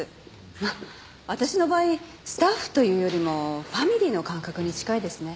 まあ私の場合スタッフというよりもファミリーの感覚に近いですね。